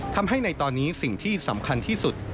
ทำให้ในตอนนี้สิ่งที่สำคัญที่สุด